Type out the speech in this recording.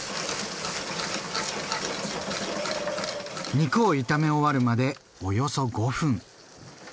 肉を炒め終わるまでおよそ５分。